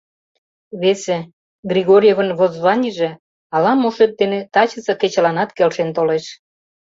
Весе: Григорьевын воззванийже ала-мо шот дене тачысе кечыланат келшен толеш.